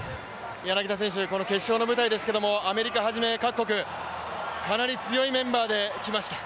柳田選手、この決勝の舞台ですけどもアメリカ初め各国かなり強いメンバーできました。